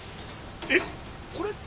えっこれ？